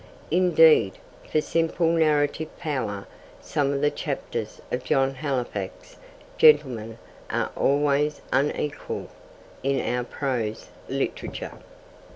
Indeed, for simple narrative power, some of the chapters of John Halifax, Gentleman, are almost unequalled in our prose literature.